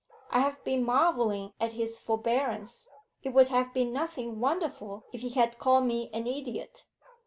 I have been marvelling at his forbearance; it would have been nothing wonderful if he had called me an idiot.